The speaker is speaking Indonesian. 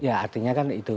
ya artinya kan itu